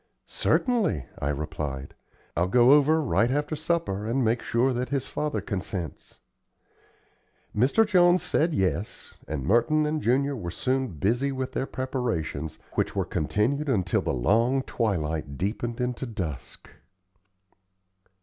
"Certainly," I replied; "I'll go over right after supper, and make sure that his father consents." Mr. Jones said, "Yes," and Merton and Junior were soon busy with their preparations, which were continued until the long twilight deepened into dusk.